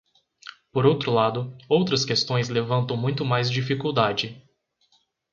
Por outro lado, outras questões levantam muito mais dificuldade.